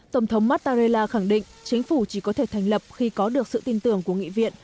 tổng thống mattarella khẳng định chính phủ chỉ có thể thành lập khi có được sự tin tưởng của nghị viện